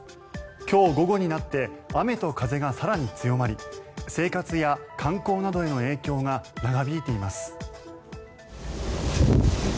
今日午後になって雨と風が更に強まり生活や観光などへの影響が長引いています。